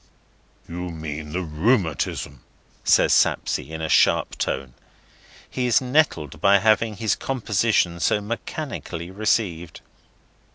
"You mean the Rheumatism," says Sapsea, in a sharp tone. (He is nettled by having his composition so mechanically received.)